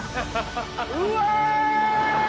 うわ！